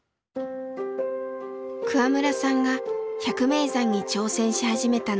桑村さんが百名山に挑戦し始めたのは１１年前。